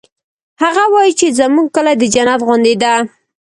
هغه وایي چې زموږ کلی د جنت غوندی ده